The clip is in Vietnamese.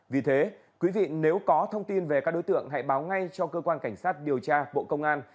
vì thế quý vị nếu có thông tin về các đối tượng hãy báo ngay cho cơ quan cảnh sát điều tra bộ công an